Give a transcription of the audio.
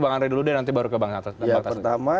bang andre dulu deh nanti baru ke bang atas ya pertama